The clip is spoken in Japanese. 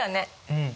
うん。